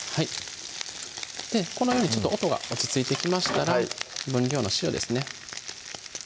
このように音が落ち着いてきましたら分量の塩ですね